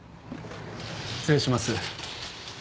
失礼します。